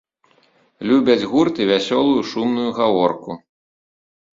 Любяць гурт і вясёлую шумную гаворку.